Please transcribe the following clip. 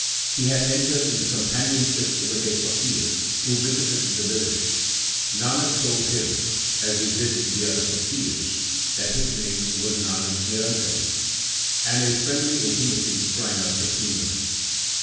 He had entered into companionship with a faqir who visited the village. Nanak told him, as he did the other faqirs, that his name was Nanak Nirankari ; and a friendly intimacy sprang up between them.